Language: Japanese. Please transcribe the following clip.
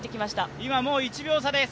今はもう１秒差です。